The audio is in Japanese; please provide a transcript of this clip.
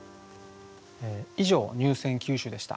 以上入選九首でした。